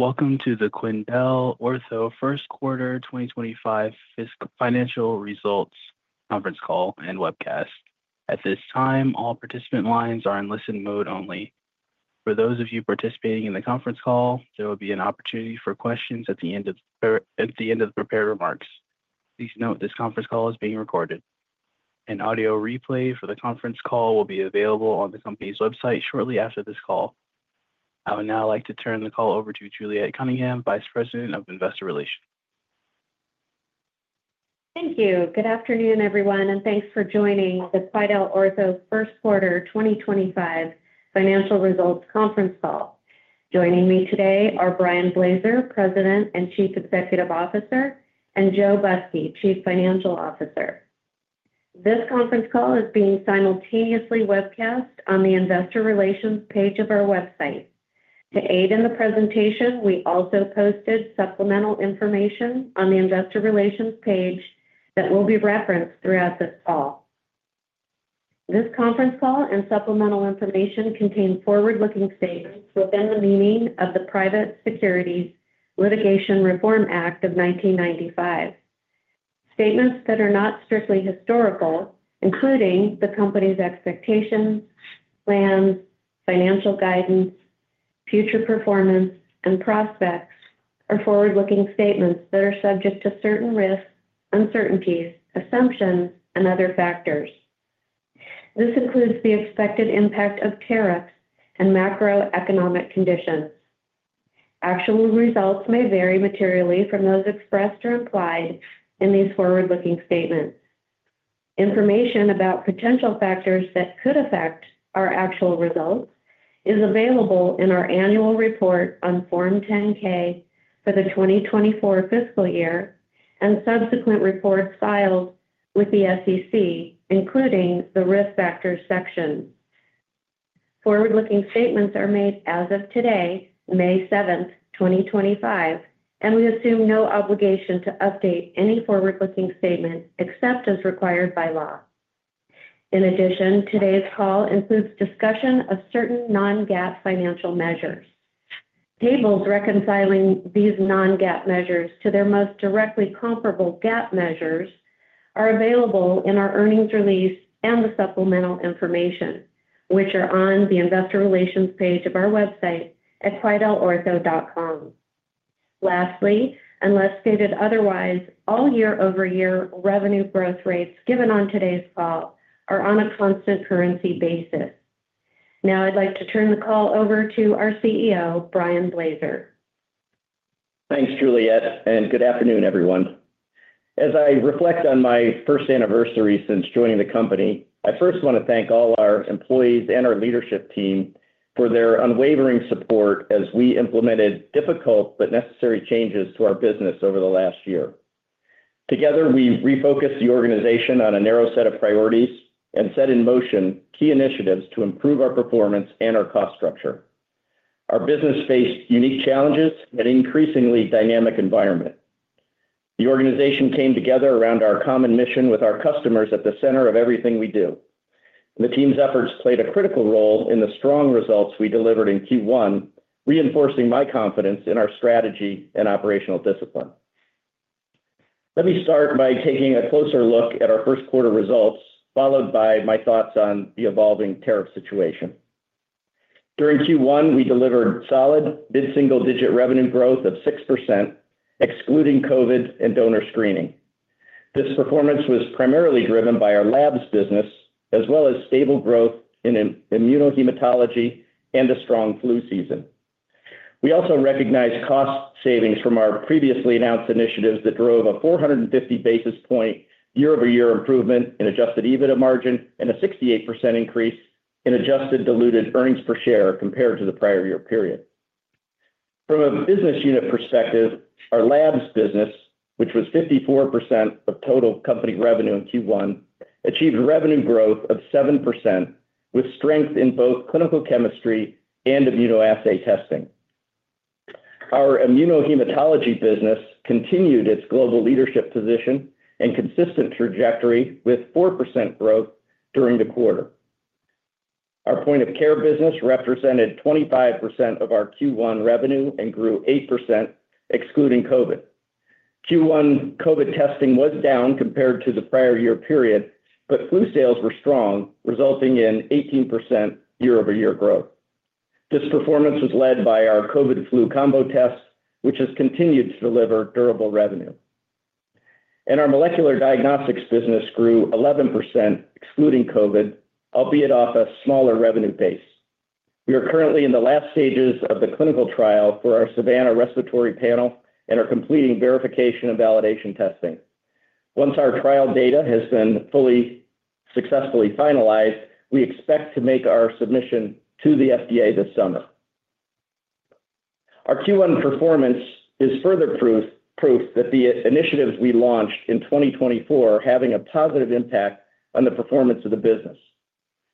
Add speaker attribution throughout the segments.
Speaker 1: Welcome to the QuidelOrtho First Quarter 2025 Financial Results Conference Call and Webcast. At this time, all participant lines are in listen mode only. For those of you participating in the conference call, there will be an opportunity for questions at the end of the prepared remarks. Please note this conference call is being recorded. An audio replay for the conference call will be available on the company's website shortly after this call. I would now like to turn the call over to Juliet Cunningham, Vice President of Investor Relations.
Speaker 2: Thank you. Good afternoon, everyone, and thanks for joining the QuidelOrtho First Quarter 2025 Financial Results Conference Call. Joining me today are Brian Blaser, President and Chief Executive Officer, and Joe Busky, Chief Financial Officer. This conference call is being simultaneously webcast on the Investor Relations page of our website. To aid in the presentation, we also posted supplemental information on the Investor Relations page that will be referenced throughout this call. This conference call and supplemental information contain forward-looking statements within the meaning of the Private Securities Litigation Reform Act of 1995. Statements that are not strictly historical, including the company's expectations, plans, financial guidance, future performance, and prospects, are forward-looking statements that are subject to certain risks, uncertainties, assumptions, and other factors. This includes the expected impact of tariffs and macroeconomic conditions. Actual results may vary materially from those expressed or implied in these forward-looking statements. Information about potential factors that could affect our actual results is available in our annual report on Form 10-K for the 2024 fiscal year and subsequent reports filed with the SEC, including the risk factors section. Forward-looking statements are made as of today, May 7, 2025, and we assume no obligation to update any forward-looking statement except as required by law. In addition, today's call includes discussion of certain non-GAAP financial measures. Tables reconciling these non-GAAP measures to their most directly comparable GAAP measures are available in our earnings release and the supplemental information, which are on the Investor Relations page of our website at quidelortho.com. Lastly, unless stated otherwise, all year-over-year revenue growth rates given on today's call are on a constant currency basis. Now, I'd like to turn the call over to our CEO, Brian Blaser.
Speaker 3: Thanks, Juliet, and good afternoon, everyone. As I reflect on my first anniversary since joining the company, I first want to thank all our employees and our leadership team for their unwavering support as we implemented difficult but necessary changes to our business over the last year. Together, we refocused the organization on a narrow set of priorities and set in motion key initiatives to improve our performance and our cost structure. Our business faced unique challenges and an increasingly dynamic environment. The organization came together around our common mission with our customers at the center of everything we do. The team's efforts played a critical role in the strong results we delivered in Q1, reinforcing my confidence in our strategy and operational discipline. Let me start by taking a closer look at our first quarter results, followed by my thoughts on the evolving tariff situation. During Q1, we delivered solid mid-single-digit revenue growth of 6%, excluding COVID and donor screening. This performance was primarily driven by our labs business, as well as stable growth in immunohematology and a strong flu season. We also recognized cost savings from our previously announced initiatives that drove a 450 basis point year-over-year improvement in adjusted EBITDA margin and a 68% increase in adjusted diluted earnings per share compared to the prior year period. From a business unit perspective, our labs business, which was 54% of total company revenue in Q1, achieved revenue growth of 7% with strength in both clinical chemistry and immunoassay testing. Our immunohematology business continued its global leadership position and consistent trajectory with 4% growth during the quarter. Our point of care business represented 25% of our Q1 revenue and grew 8%, excluding COVID. Q1 COVID testing was down compared to the prior year period, but flu sales were strong, resulting in 18% year-over-year growth. This performance was led by our COVID-flu combo test, which has continued to deliver durable revenue. Our molecular diagnostics business grew 11%, excluding COVID, albeit off a smaller revenue base. We are currently in the last stages of the clinical trial for our SAVANNA Respiratory Panel and are completing verification and validation testing. Once our trial data has been fully successfully finalized, we expect to make our submission to the FDA this summer. Our Q1 performance is further proof that the initiatives we launched in 2024 are having a positive impact on the performance of the business.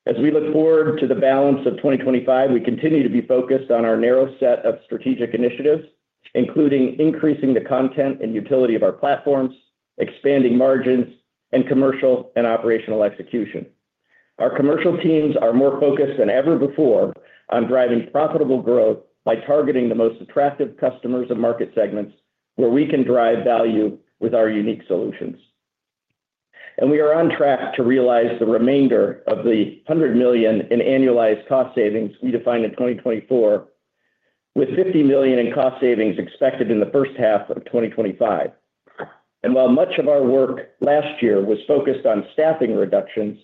Speaker 3: As we look forward to the balance of 2025, we continue to be focused on our narrow set of strategic initiatives, including increasing the content and utility of our platforms, expanding margins, and commercial and operational execution. Our commercial teams are more focused than ever before on driving profitable growth by targeting the most attractive customers and market segments where we can drive value with our unique solutions. We are on track to realize the remainder of the $100 million in annualized cost savings we defined in 2024, with $50 million in cost savings expected in the first half of 2025. While much of our work last year was focused on staffing reductions,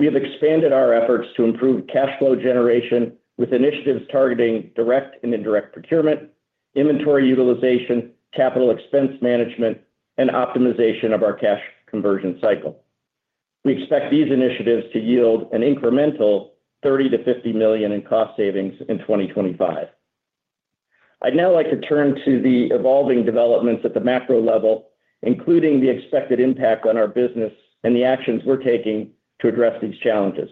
Speaker 3: we have expanded our efforts to improve cash flow generation with initiatives targeting direct and indirect procurement, inventory utilization, capital expense management, and optimization of our cash conversion cycle. We expect these initiatives to yield an incremental $30 million-$50 million in cost savings in 2025. I'd now like to turn to the evolving developments at the macro level, including the expected impact on our business and the actions we're taking to address these challenges.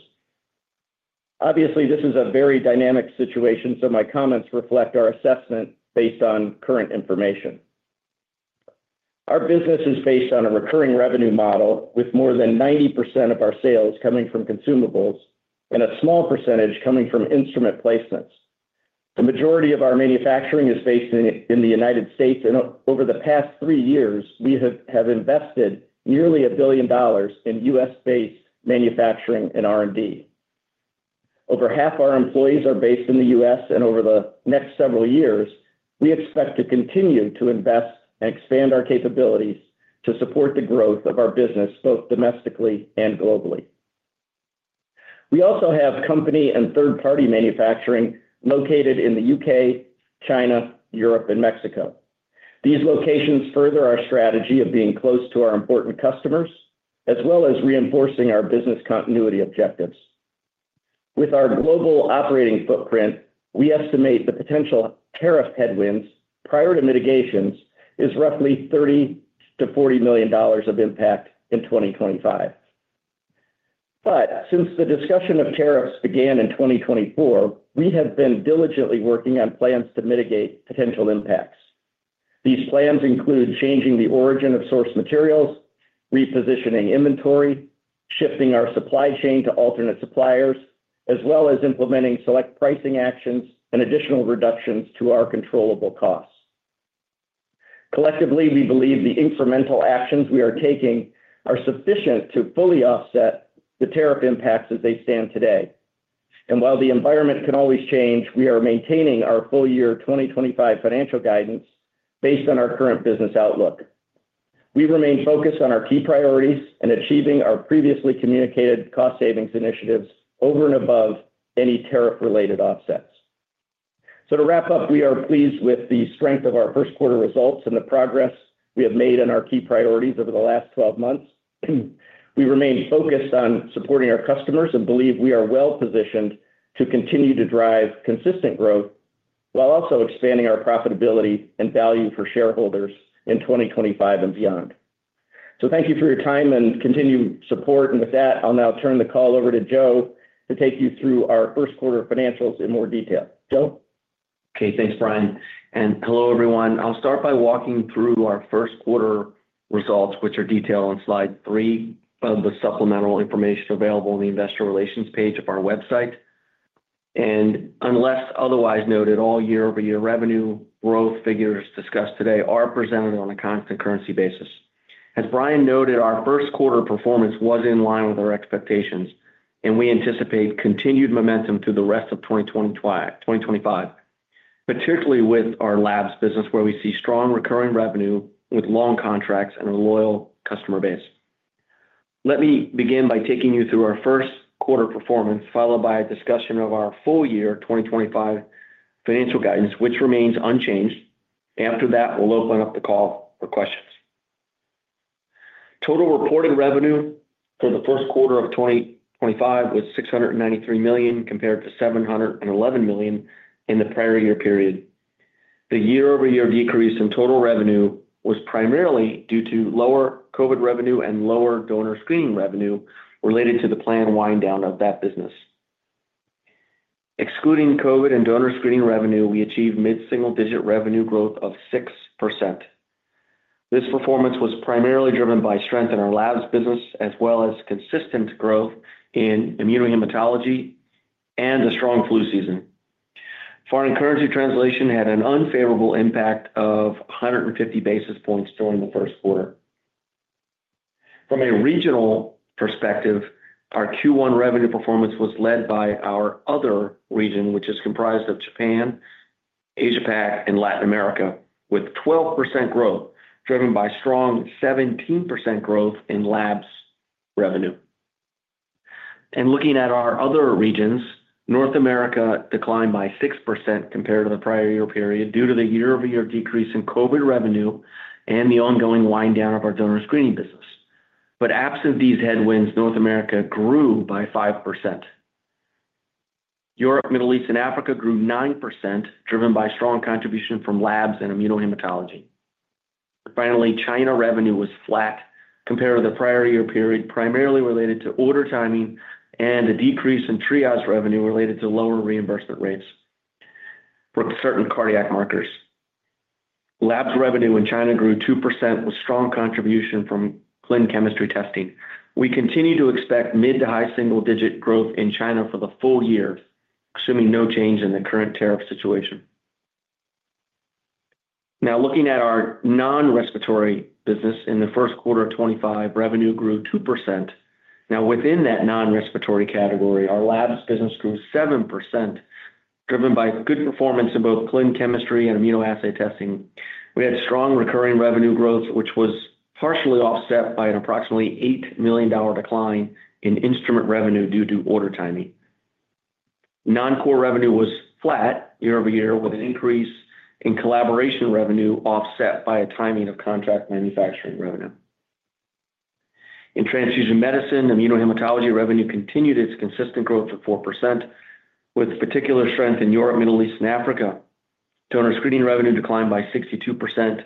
Speaker 3: Obviously, this is a very dynamic situation, so my comments reflect our assessment based on current information. Our business is based on a recurring revenue model with more than 90% of our sales coming from consumables and a small percentage coming from instrument placements. The majority of our manufacturing is based in the United States, and over the past three years, we have invested nearly $1 billion in U.S.-based manufacturing and R&D. Over half our employees are based in the U.S., and over the next several years, we expect to continue to invest and expand our capabilities to support the growth of our business both domestically and globally. We also have company and third-party manufacturing located in the U.K., China, Europe, and Mexico. These locations further our strategy of being close to our important customers, as well as reinforcing our business continuity objectives. With our global operating footprint, we estimate the potential tariff headwinds prior to mitigations is roughly $30 million-$40 million of impact in 2025. Since the discussion of tariffs began in 2024, we have been diligently working on plans to mitigate potential impacts. These plans include changing the origin of source materials, repositioning inventory, shifting our supply chain to alternate suppliers, as well as implementing select pricing actions and additional reductions to our controllable costs. Collectively, we believe the incremental actions we are taking are sufficient to fully offset the tariff impacts as they stand today. While the environment can always change, we are maintaining our full year 2025 financial guidance based on our current business outlook. We remain focused on our key priorities and achieving our previously communicated cost savings initiatives over and above any tariff-related offsets. To wrap up, we are pleased with the strength of our first quarter results and the progress we have made on our key priorities over the last 12 months. We remain focused on supporting our customers and believe we are well positioned to continue to drive consistent growth while also expanding our profitability and value for shareholders in 2025 and beyond. Thank you for your time and continued support. With that, I'll now turn the call over to Joe to take you through our first quarter financials in more detail. Joe?
Speaker 4: Okay, thanks, Brian. Hello, everyone. I'll start by walking through our first quarter results, which are detailed on slide three of the supplemental information available on the Investor Relations page of our website. Unless otherwise noted, all year-over-year revenue growth figures discussed today are presented on a constant currency basis. As Brian noted, our first quarter performance was in line with our expectations, and we anticipate continued momentum through the rest of 2025, particularly with our Labs business, where we see strong recurring revenue with long contracts and a loyal customer base. Let me begin by taking you through our first quarter performance, followed by a discussion of our full year 2025 financial guidance, which remains unchanged. After that, we'll open up the call for questions. Total reported revenue for the first quarter of 2025 was $693 million compared to $711 million in the prior year period. The year-over-year decrease in total revenue was primarily due to lower COVID revenue and lower donor screening revenue related to the planned wind down of that business. Excluding COVID and donor screening revenue, we achieved mid-single-digit revenue growth of 6%. This performance was primarily driven by strength in our labs business, as well as consistent growth in immunohematology and a strong flu season. Foreign currency translation had an unfavorable impact of 150 basis points during the first quarter. From a regional perspective, our Q1 revenue performance was led by our other region, which is comprised of Japan, Asia-Pac, and Latin America, with 12% growth driven by strong 17% growth in labs revenue. Looking at our other regions, North America declined by 6% compared to the prior year period due to the year-over-year decrease in COVID revenue and the ongoing wind down of our donor screening business. Absent these headwinds, North America grew by 5%. Europe, Middle East, and Africa grew 9%, driven by strong contribution from labs and immunohematology. Finally, China revenue was flat compared to the prior year period, primarily related to order timing and a decrease in triage revenue related to lower reimbursement rates for certain cardiac markers. Labs revenue in China grew 2% with strong contribution from clinical chemistry testing. We continue to expect mid to high single-digit growth in China for the full year, assuming no change in the current tariff situation. Now, looking at our non-respiratory business, in the first quarter of 2025, revenue grew 2%. Now, within that non-respiratory category, our labs business grew 7%, driven by good performance in both clinical chemistry and immunoassay testing. We had strong recurring revenue growth, which was partially offset by an approximately $8 million decline in instrument revenue due to order timing. Non-core revenue was flat year-over-year, with an increase in collaboration revenue offset by a timing of contract manufacturing revenue. In transfusion medicine, immunohematology revenue continued its consistent growth of 4%, with particular strength in Europe, Middle East, and Africa. Donor screening revenue declined by 62%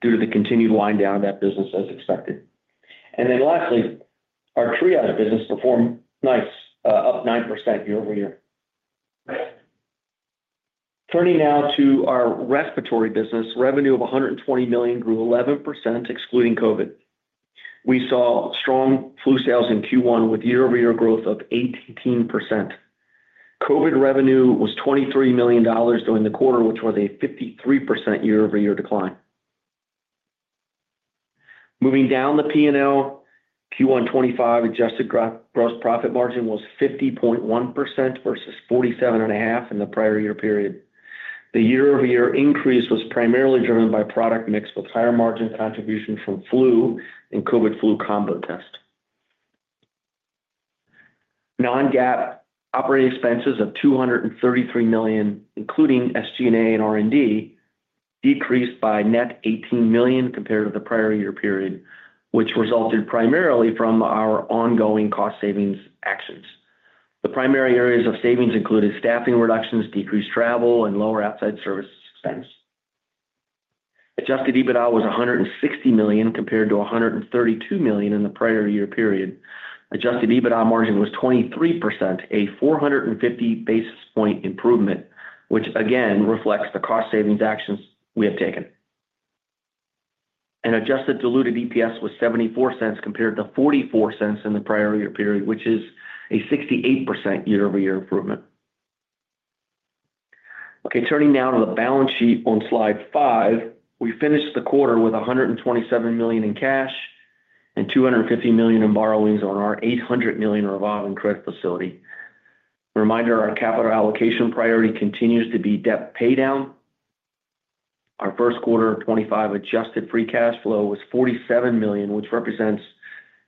Speaker 4: due to the continued wind down of that business, as expected. Lastly, our Triage business performed nice, up 9% year-over-year. Turning now to our respiratory business, revenue of $120 million grew 11%, excluding COVID. We saw strong flu sales in Q1, with year-over-year growth of 18%. COVID revenue was $23 million during the quarter, which was a 53% year-over-year decline. Moving down the P&L, Q1 2025 adjusted gross profit margin was 50.1% versus 47.5% in the prior year period. The year-over-year increase was primarily driven by product mix with higher margin contribution from flu and COVID-flu combo test. Non-GAAP operating expenses of $233 million, including SG&A and R&D, decreased by net $18 million compared to the prior year period, which resulted primarily from our ongoing cost savings actions. The primary areas of savings included staffing reductions, decreased travel, and lower outside service expense. Adjusted EBITDA was $160 million compared to $132 million in the prior year period. Adjusted EBITDA margin was 23%, a 450 basis point improvement, which again reflects the cost savings actions we have taken. Adjusted diluted EPS was $0.74 compared to $0.44 in the prior year period, which is a 68% year-over-year improvement. Okay, turning now to the balance sheet on slide five, we finished the quarter with $127 million in cash and $250 million in borrowings on our $800 million revolving credit facility. Reminder, our capital allocation priority continues to be debt paydown. Our first quarter of 2025 adjusted free cash flow was $47 million, which represents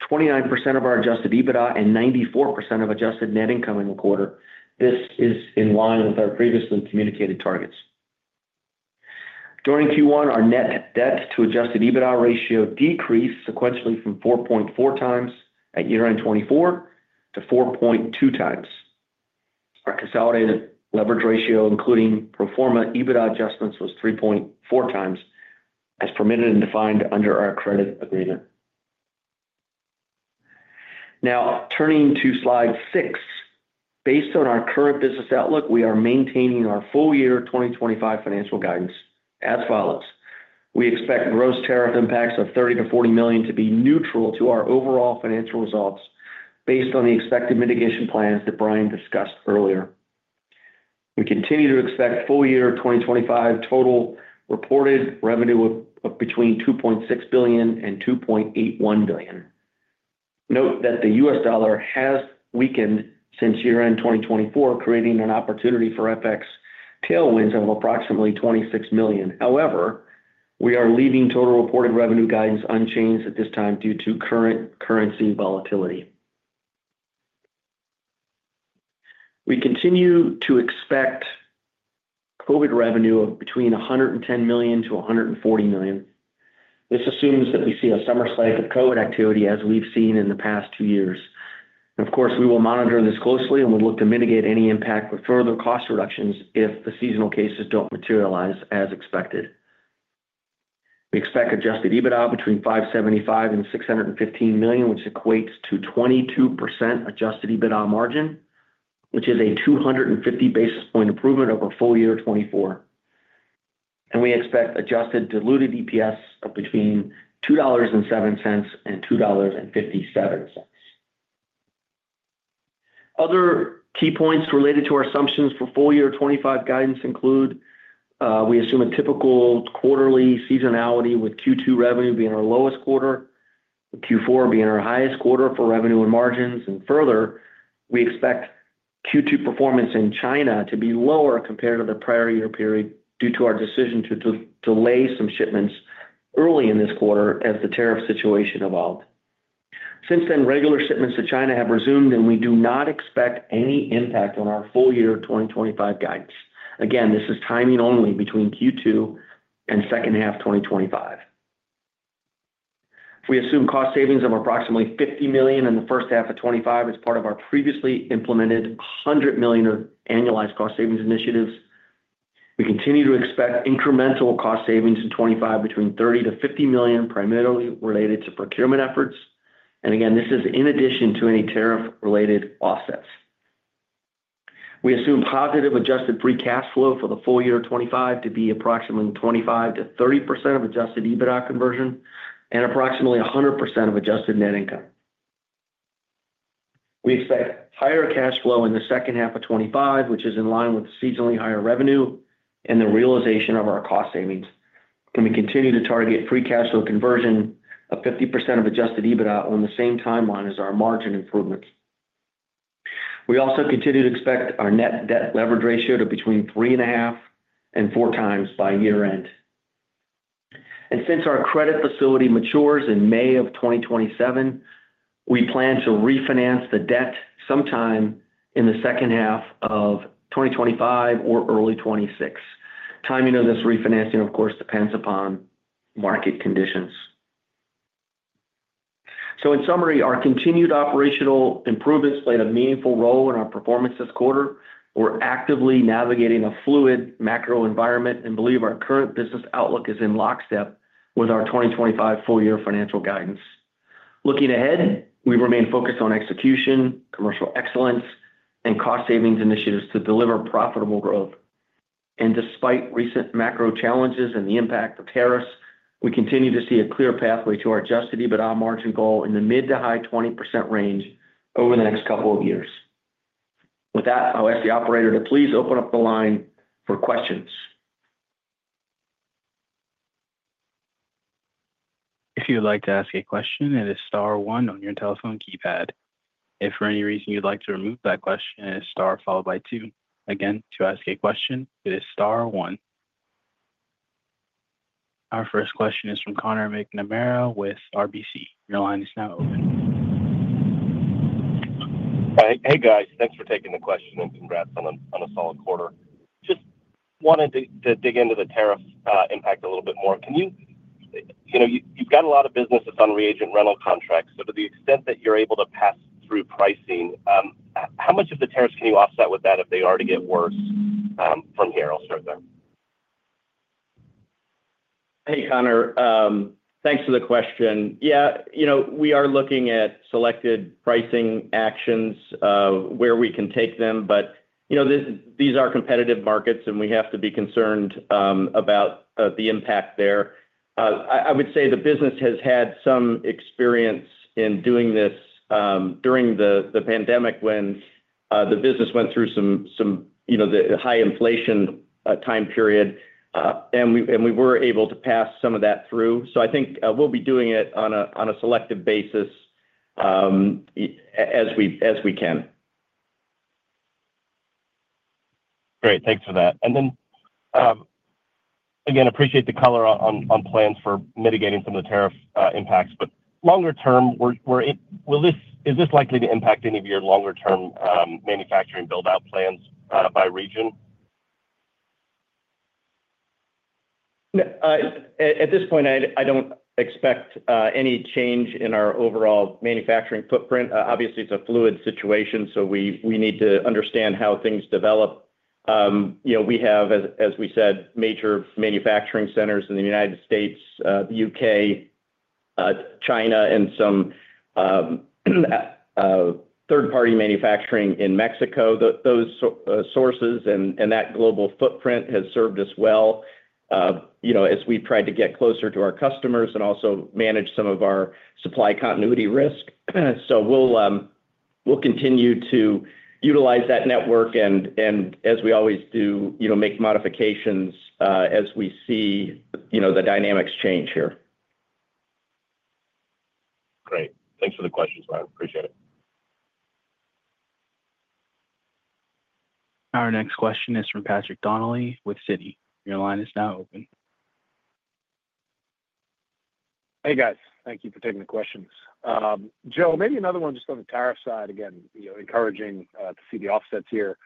Speaker 4: 29% of our adjusted EBITDA and 94% of adjusted net income in the quarter. This is in line with our previously communicated targets. During Q1, our net debt to adjusted EBITDA ratio decreased sequentially from 4.4x at year-end 2024 to 4.2x. Our consolidated leverage ratio, including pro forma EBITDA adjustments, was 3.4x, as permitted and defined under our credit agreement. Now, turning to slide six, based on our current business outlook, we are maintaining our full-year 2025 financial guidance as follows. We expect gross tariff impacts of $30 million-$40 million to be neutral to our overall financial results based on the expected mitigation plans that Brian discussed earlier. We continue to expect full-year 2025 total reported revenue of between $2.6 billion and $2.81 billion. Note that the U.S. Dollar has weakened since year-end 2024, creating an opportunity for FX tailwinds of approximately $26 million. However, we are leaving total reported revenue guidance unchanged at this time due to current currency volatility. We continue to expect COVID revenue of between $110 million and $140 million. This assumes that we see a summer spike of COVID activity as we've seen in the past two years. Of course, we will monitor this closely and will look to mitigate any impact with further cost reductions if the seasonal cases do not materialize as expected. We expect adjusted EBITDA between $575 million and $615 million, which equates to 22% adjusted EBITDA margin, which is a 250 basis point improvement over full year 2024. We expect adjusted diluted EPS of between $2.07 and $2.57. Other key points related to our assumptions for full-year 2025 guidance include we assume a typical quarterly seasonality with Q2 revenue being our lowest quarter, Q4 being our highest quarter for revenue and margins. Further, we expect Q2 performance in China to be lower compared to the prior year period due to our decision to delay some shipments early in this quarter as the tariff situation evolved. Since then, regular shipments to China have resumed, and we do not expect any impact on our full-year 2025 guidance. Again, this is timing only between Q2 and second half 2025. We assume cost savings of approximately $50 million in the first half of 2025 as part of our previously implemented $100 million of annualized cost savings initiatives. We continue to expect incremental cost savings in 2025 between $30-$50 million, primarily related to procurement efforts. This is in addition to any tariff-related offsets. We assume positive adjusted free cash flow for the full year 2025 to be approximately 25%-30% of adjusted EBITDA conversion and approximately 100% of adjusted net income. We expect higher cash flow in the second half of 2025, which is in line with seasonally higher revenue and the realization of our cost savings. We continue to target free cash flow conversion of 50% of adjusted EBITDA on the same timeline as our margin improvements. We also continue to expect our net debt leverage ratio to be between three and a half and 4x by year-end. Since our credit facility matures in May of 2027, we plan to refinance the debt sometime in the second half of 2025 or early 2026. Timing of this refinancing, of course, depends upon market conditions. In summary, our continued operational improvements played a meaningful role in our performance this quarter. We're actively navigating a fluid macro environment and believe our current business outlook is in lockstep with our 2025 full-year financial guidance. Looking ahead, we remain focused on execution, commercial excellence, and cost savings initiatives to deliver profitable growth. Despite recent macro challenges and the impact of tariffs, we continue to see a clear pathway to our adjusted EBITDA margin goal in the mid to high 20% range over the next couple of years. With that, I'll ask the operator to please open up the line for questions.
Speaker 1: If you'd like to ask a question, it is star one on your telephone keypad. If for any reason you'd like to remove that question, it is star followed by two. Again, to ask a question, it is star one. Our first question is from Conor McNamara with RBC. Your line is now open.
Speaker 5: Hey, guys. Thanks for taking the question and congrats on a solid quarter. Just wanted to dig into the tariff impact a little bit more. You've got a lot of business that's on reagent rental contracts. To the extent that you're able to pass through pricing, how much of the tariffs can you offset with that if they are to get worse from here? I'll start there.
Speaker 3: Hey, Conor. Thanks for the question. Yeah, we are looking at selected pricing actions where we can take them, but these are competitive markets, and we have to be concerned about the impact there. I would say the business has had some experience in doing this during the pandemic when the business went through some high inflation time period, and we were able to pass some of that through. I think we'll be doing it on a selective basis as we can.
Speaker 5: Great. Thanks for that. I appreciate the color on plans for mitigating some of the tariff impacts. Longer term, is this likely to impact any of your longer-term manufacturing build-out plans by region?
Speaker 3: At this point, I don't expect any change in our overall manufacturing footprint. Obviously, it's a fluid situation, so we need to understand how things develop. We have, as we said, major manufacturing centers in the United States, the U.K., China, and some third-party manufacturing in Mexico. Those sources and that global footprint have served us well as we've tried to get closer to our customers and also manage some of our supply continuity risk. We will continue to utilize that network, and as we always do, make modifications as we see the dynamics change here.
Speaker 5: Great. Thanks for the questions, Brian. Appreciate it.
Speaker 1: Our next question is from Patrick Donnelly with Citi. Your line is now open.
Speaker 6: Hey, guys. Thank you for taking the questions. Joe, maybe another one just on the tariff side, again, encouraging to see the offsets here.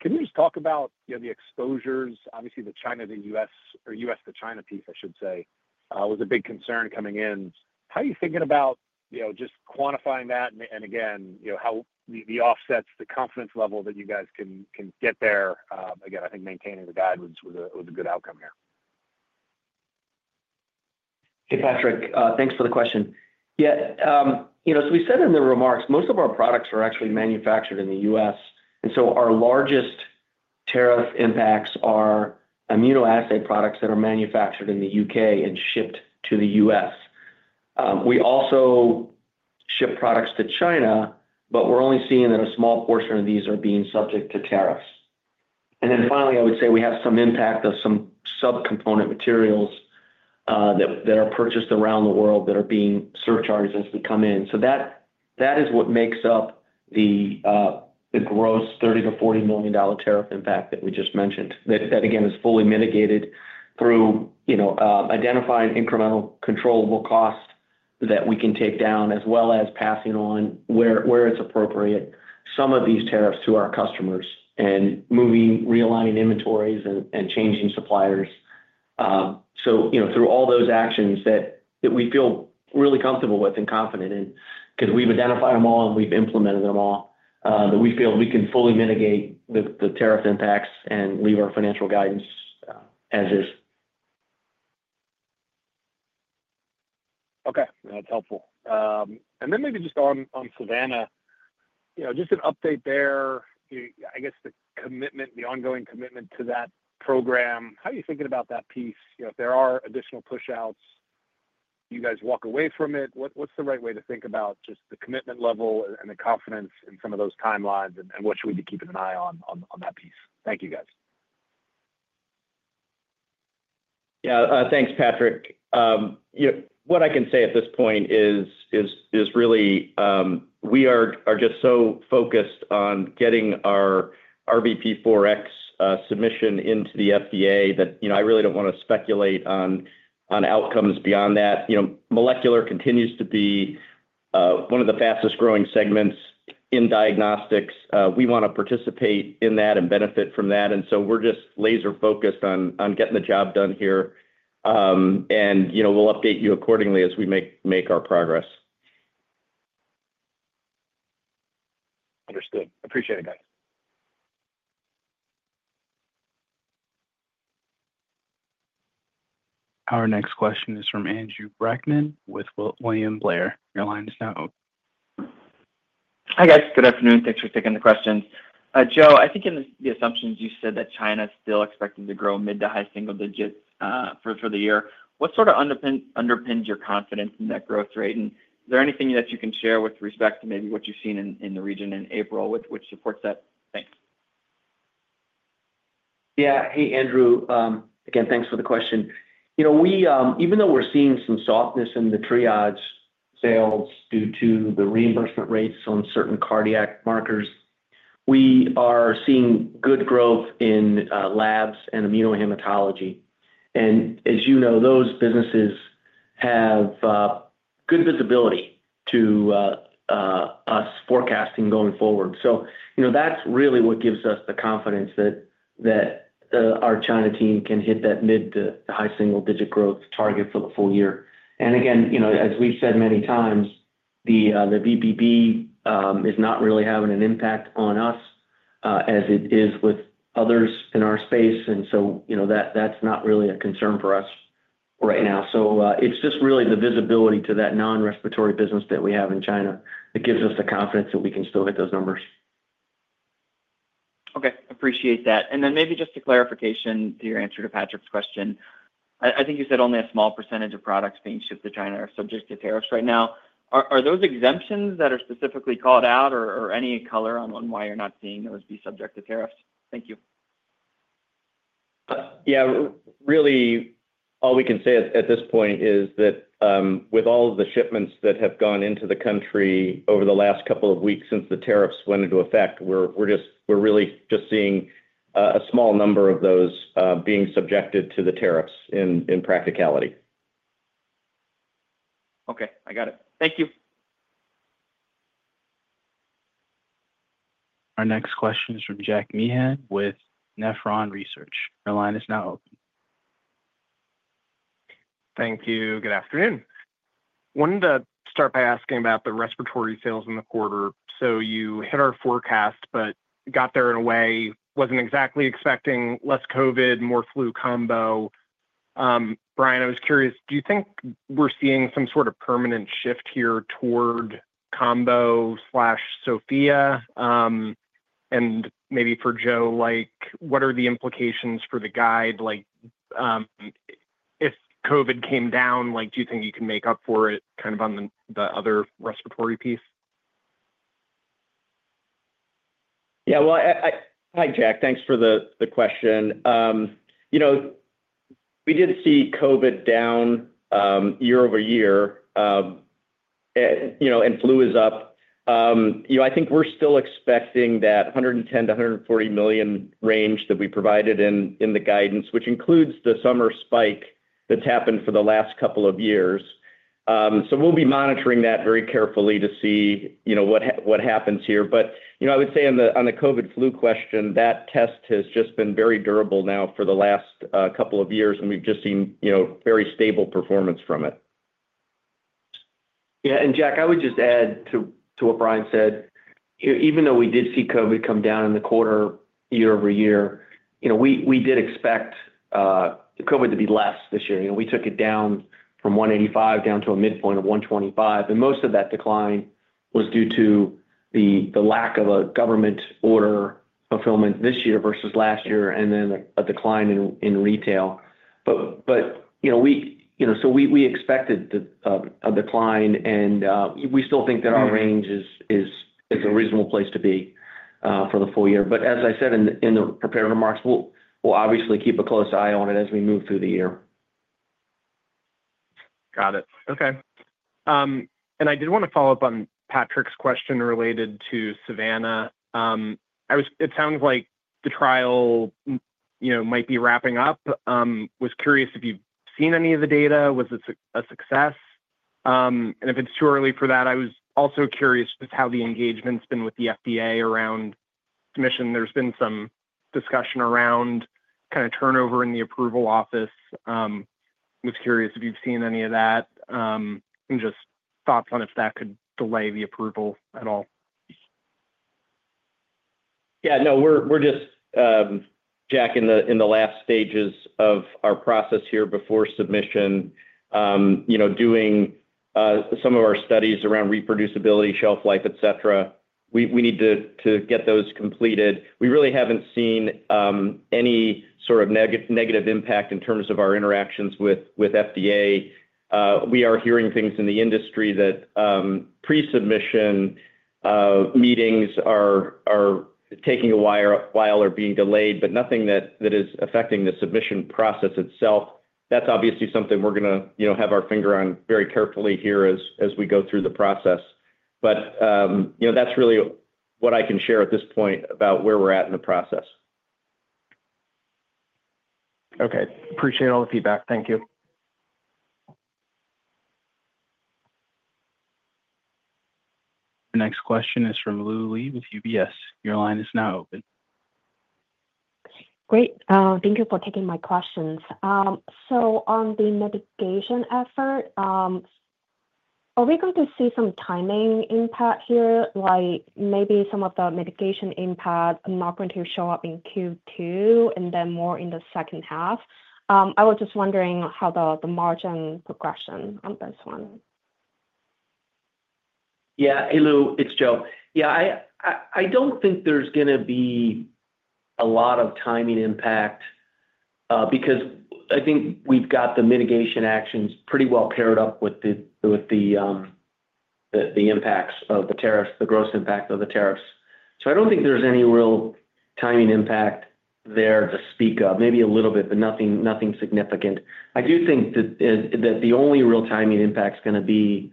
Speaker 6: Can you just talk about the exposures? Obviously, the China to U.S. or U.S. to China piece, I should say, was a big concern coming in. How are you thinking about just quantifying that? Again, how the offsets, the confidence level that you guys can get there, again, I think maintaining the guidance was a good outcome here.
Speaker 4: Hey, Patrick. Thanks for the question. Yeah. As we said in the remarks, most of our products are actually manufactured in the U.S. Our largest tariff impacts are immunoassay products that are manufactured in the U.K. and shipped to the U.S. We also ship products to China, but we're only seeing that a small portion of these are being subject to tariffs. Finally, I would say we have some impact from some subcomponent materials that are purchased around the world that are being surcharged as they come in. That is what makes up the gross $30 million-$40 million tariff impact that we just mentioned. That, again, is fully mitigated through identifying incremental controllable costs that we can take down as well as passing on, where it's appropriate, some of these tariffs to our customers and realigning inventories and changing suppliers. Through all those actions that we feel really comfortable with and confident in, because we've identified them all and we've implemented them all, we feel we can fully mitigate the tariff impacts and leave our financial guidance as is.
Speaker 6: Okay. That's helpful. Maybe just on SAVANNA, just an update there. I guess the commitment, the ongoing commitment to that program, how are you thinking about that piece? If there are additional push-outs, you guys walk away from it? What's the right way to think about just the commitment level and the confidence in some of those timelines? What should we be keeping an eye on that piece? Thank you, guys.
Speaker 3: Yeah. Thanks, Patrick. What I can say at this point is really we are just so focused on getting our RBP4X submission into the FDA that I really don't want to speculate on outcomes beyond that. Molecular continues to be one of the fastest-growing segments in diagnostics. We want to participate in that and benefit from that. We are just laser-focused on getting the job done here. We'll update you accordingly as we make our progress.
Speaker 6: Understood. Appreciate it, guys.
Speaker 1: Our next question is from Andrew Brackmann with William Blair. Your line is now open.
Speaker 7: Hi, guys. Good afternoon. Thanks for taking the questions. Joe, I think in the assumptions you said that China is still expecting to grow mid to high single digits for the year. What sort of underpins your confidence in that growth rate? Is there anything that you can share with respect to maybe what you've seen in the region in April which supports that? Thanks.
Speaker 4: Yeah. Hey, Andrew. Again, thanks for the question. Even though we're seeing some softness in the Triage sales due to the reimbursement rates on certain cardiac markers, we are seeing good growth in labs and immunohematology. As you know, those businesses have good visibility to us forecasting going forward. That's really what gives us the confidence that our China team can hit that mid to high single digit growth target for the full year. As we've said many times, the VBB is not really having an impact on us as it is with others in our space. That is not really a concern for us right now. It is just really the visibility to that non-respiratory business that we have in China that gives us the confidence that we can still hit those numbers.
Speaker 7: Okay. Appreciate that. Maybe just a clarification to your answer to Patrick's question. I think you said only a small percentage of products being shipped to China are subject to tariffs right now. Are those exemptions that are specifically called out or any color on why you're not seeing those be subject to tariffs? Thank you.
Speaker 3: Yeah. Really, all we can say at this point is that with all of the shipments that have gone into the country over the last couple of weeks since the tariffs went into effect, we're really just seeing a small number of those being subjected to the tariffs in practicality.
Speaker 5: Okay. I got it. Thank you.
Speaker 1: Our next question is from Jack Meehan with Nephron Research. Your line is now open.
Speaker 8: Thank you. Good afternoon. Wanted to start by asking about the respiratory sales in the quarter. You hit our forecast, but got there in a way I was not exactly expecting—less COVID, more flu combo. Brian, I was curious, do you think we are seeing some sort of permanent shift here toward combo/Sofia? Maybe for Joe, what are the implications for the guide? If COVID came down, do you think you can make up for it kind of on the other respiratory piece?
Speaker 3: Yeah. Hi, Jack. Thanks for the question. We did see COVID down year over year and flu is up. I think we're still expecting that $110 million-$140 million range that we provided in the guidance, which includes the summer spike that's happened for the last couple of years. We will be monitoring that very carefully to see what happens here. I would say on the COVID-flu question, that test has just been very durable now for the last couple of years, and we've just seen very stable performance from it.
Speaker 4: Yeah. Jack, I would just add to what Brian said. Even though we did see COVID come down in the quarter year over year, we did expect COVID to be less this year. We took it down from $185 million down to a midpoint of $125 million. Most of that decline was due to the lack of a government order fulfillment this year versus last year and then a decline in retail. We expected a decline, and we still think that our range is a reasonable place to be for the full year. As I said in the prepared remarks, we'll obviously keep a close eye on it as we move through the year.
Speaker 8: Got it. Okay. I did want to follow up on Patrick's question related to SAVANNA. It sounds like the trial might be wrapping up. Was curious if you've seen any of the data. Was it a success? If it's too early for that, I was also curious just how the engagement's been with the FDA around submission. There's been some discussion around kind of turnover in the approval office. Was curious if you've seen any of that and just thoughts on if that could delay the approval at all.
Speaker 3: Yeah. No, we're just, Jack, in the last stages of our process here before submission, doing some of our studies around reproducibility, shelf life, etc. We need to get those completed. We really haven't seen any sort of negative impact in terms of our interactions with FDA. We are hearing things in the industry that pre-submission meetings are taking a while or being delayed, but nothing that is affecting the submission process itself. That is obviously something we're going to have our finger on very carefully here as we go through the process. That is really what I can share at this point about where we're at in the process.
Speaker 8: Okay. Appreciate all the feedback. Thank you.
Speaker 1: The next question is from Lu Li with UBS. Your line is now open.
Speaker 9: Great. Thank you for taking my questions. So on the mitigation effort, are we going to see some timing impact here? Maybe some of the mitigation impact not going to show up in Q2 and then more in the second half. I was just wondering how the margin progression on this one.
Speaker 4: Yeah. Hey, Lu. It's Joe. Yeah. I don't think there's going to be a lot of timing impact because I think we've got the mitigation actions pretty well paired up with the impacts of the tariffs, the gross impact of the tariffs. I don't think there's any real timing impact there to speak of. Maybe a little bit, but nothing significant. I do think that the only real timing impact's going to be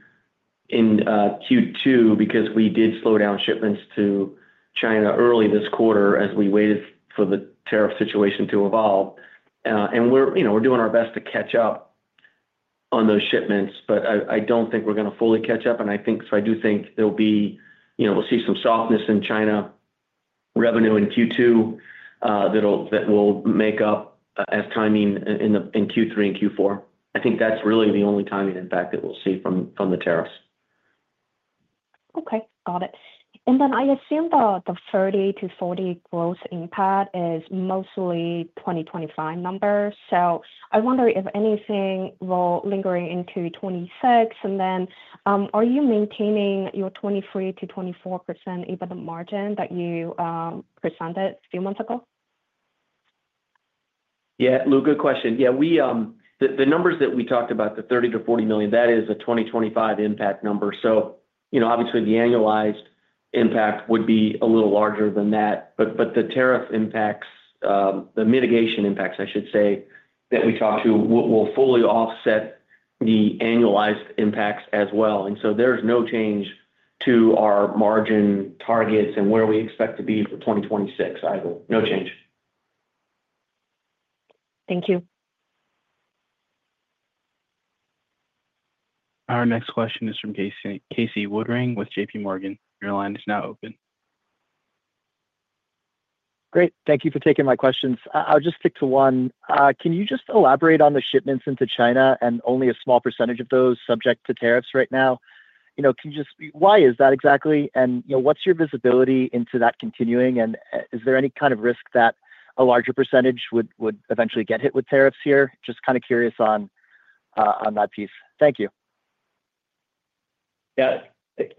Speaker 4: in Q2 because we did slow down shipments to China early this quarter as we waited for the tariff situation to evolve. We're doing our best to catch up on those shipments, but I don't think we're going to fully catch up. I do think there will be, we'll see some softness in China revenue in Q2 that will make up as timing in Q3 and Q4. I think that's really the only timing impact that we'll see from the tariffs.
Speaker 9: Okay. Got it. And then I assume the $30-$40 gross impact is mostly 2025 numbers. So I wonder if anything will linger into 2026. And then are you maintaining your 23%-24% EBITDA margin that you presented a few months ago?
Speaker 4: Yeah. Lu, good question. Yeah. The numbers that we talked about, the $30 million-$40 million, that is a 2025 impact number. Obviously, the annualized impact would be a little larger than that. The tariff impacts, the mitigation impacts, I should say, that we talked to will fully offset the annualized impacts as well. There is no change to our margin targets and where we expect to be for 2026 either. No change.
Speaker 9: Thank you.
Speaker 1: Our next question is from Casey Woodring with JPMorgan. Your line is now open.
Speaker 10: Great. Thank you for taking my questions. I'll just stick to one. Can you just elaborate on the shipments into China and only a small percentage of those subject to tariffs right now? Can you just why is that exactly? What's your visibility into that continuing? Is there any kind of risk that a larger percentage would eventually get hit with tariffs here? Just kind of curious on that piece. Thank you.
Speaker 3: Yeah.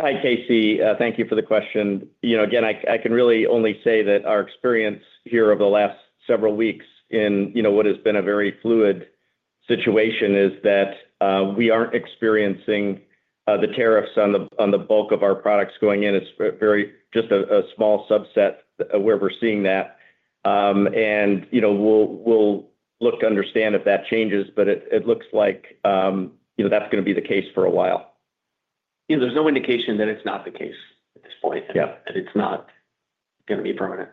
Speaker 3: Hi, Casey. Thank you for the question. Again, I can really only say that our experience here over the last several weeks in what has been a very fluid situation is that we aren't experiencing the tariffs on the bulk of our products going in. It's just a small subset where we're seeing that. We will look to understand if that changes, but it looks like that's going to be the case for a while.
Speaker 4: Yeah. There's no indication that it's not the case at this point and that it's not going to be permanent.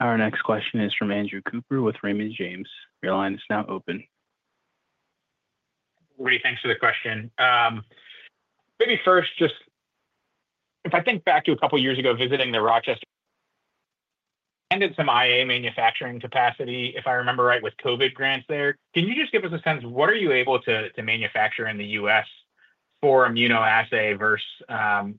Speaker 1: Our next question is from Andrew Cooper with Raymond James. Your line is now open.
Speaker 11: Great. Thanks for the question. Maybe first, just if I think back to a couple of years ago visiting the Rochester and in some IA manufacturing capacity, if I remember right, with COVID grants there, can you just give us a sense of what are you able to manufacture in the U.S. for immunoassay versus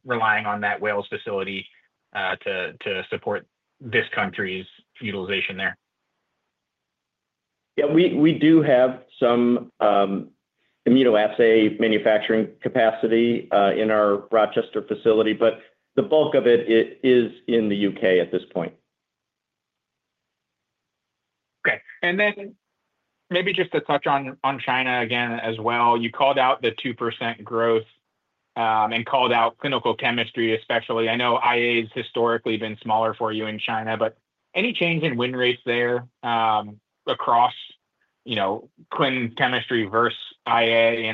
Speaker 11: relying on that Wales facility to support this country's utilization there?
Speaker 3: Yeah. We do have some immunoassay manufacturing capacity in our Rochester facility, but the bulk of it is in the U.K. at this point.
Speaker 11: Okay. Maybe just to touch on China again as well. You called out the 2% growth and called out clinical chemistry especially. I know IA has historically been smaller for you in China, but any change in win rates there across clinical chemistry versus IA?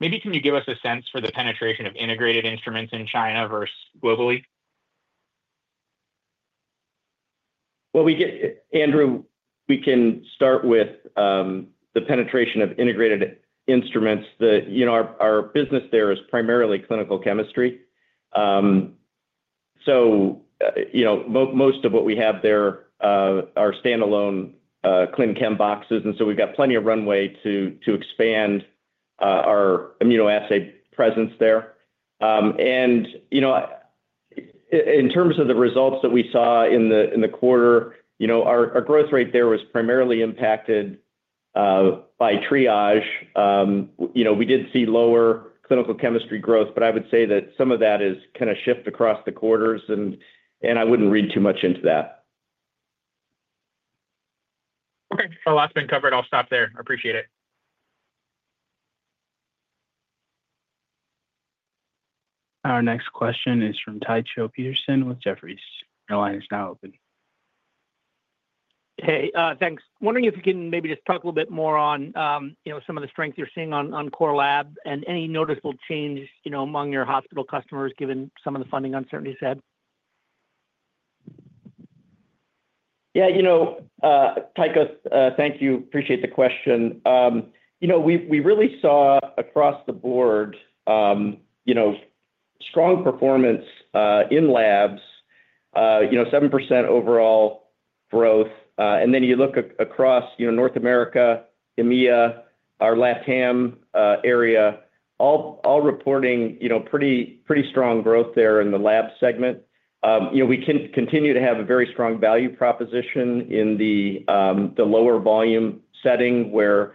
Speaker 11: Maybe can you give us a sense for the penetration of integrated instruments in China versus globally?
Speaker 3: Andrew, we can start with the penetration of integrated instruments. Our business there is primarily clinical chemistry. Most of what we have there are standalone clin chem boxes. We have plenty of runway to expand our immunoassay presence there. In terms of the results that we saw in the quarter, our growth rate there was primarily impacted by triage. We did see lower clinical chemistry growth, but I would say that some of that is kind of shift across the quarters, and I would not read too much into that.
Speaker 11: Okay. That has been covered. I'll stop there. I appreciate it.
Speaker 1: Our next question is from Tycho Peterson with Jefferies. Your line is now open.
Speaker 12: Hey, thanks. Wondering if you can maybe just talk a little bit more on some of the strength you're seeing on CoreLab and any noticeable change among your hospital customers given some of the funding uncertainty you said?
Speaker 3: Yeah. Tycho, thank you. Appreciate the question. We really saw across the board strong performance in labs, 7% overall growth. You look across North America, EMEA, our LATAM area, all reporting pretty strong growth there in the lab segment. We continue to have a very strong value proposition in the lower volume setting where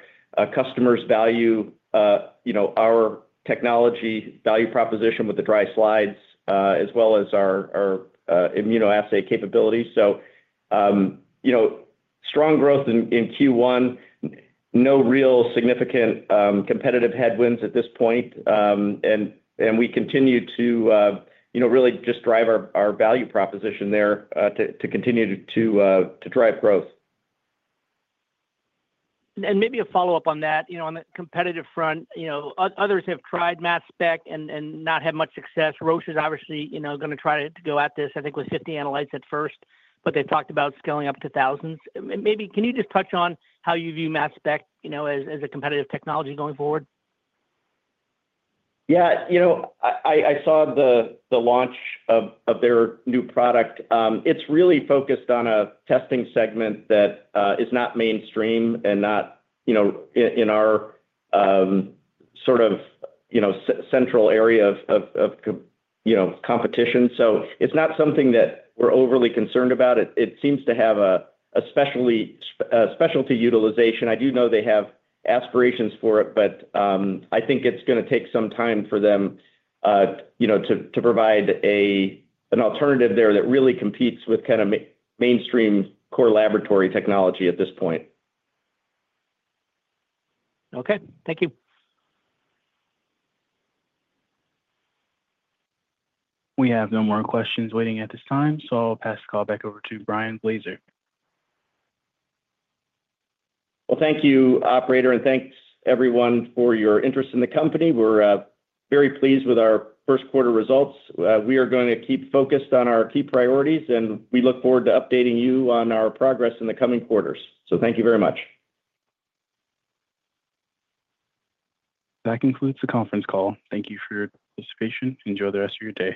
Speaker 3: customers value our technology value proposition with the dry slides as well as our immunoassay capabilities. Strong growth in Q1, no real significant competitive headwinds at this point. We continue to really just drive our value proposition there to continue to drive growth.
Speaker 12: Maybe a follow-up on that. On the competitive front, others have tried mass spec and not had much success. Roche is obviously going to try to go at this, I think, with 50 analytes at first, but they've talked about scaling up to thousands. Maybe can you just touch on how you view mass spec as a competitive technology going forward?
Speaker 3: Yeah. I saw the launch of their new product. It's really focused on a testing segment that is not mainstream and not in our sort of central area of competition. So it's not something that we're overly concerned about. It seems to have a specialty utilization. I do know they have aspirations for it, but I think it's going to take some time for them to provide an alternative there that really competes with kind of mainstream Core Laboratory technology at this point.
Speaker 12: Okay. Thank you.
Speaker 1: We have no more questions waiting at this time, so I'll pass the call back over to Brian Blaser.
Speaker 3: Thank you, operator, and thanks, everyone, for your interest in the company. We're very pleased with our first quarter results. We are going to keep focused on our key priorities, and we look forward to updating you on our progress in the coming quarters. Thank you very much.
Speaker 1: That concludes the conference call. Thank you for your participation. Enjoy the rest of your day.